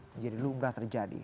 menjadi lumrah terjadi